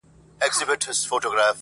اوس مي پر لکړه هغه لاري ستړي کړي دي -